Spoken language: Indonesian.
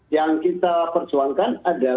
yang kita perjuangkan